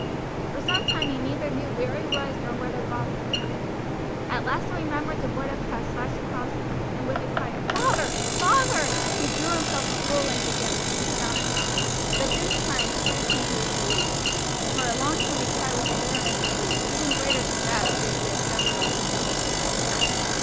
For some time he neither knew where he was nor what had brought him there. At last the remembrance of what had passed flashed across him, and with a cry of "Father! father!" he threw himself at full length again with his head on his arm; but this time tears came to his relief, and for a long time he cried with a bitterness of grief even greater than that which he had suffered at his father's death.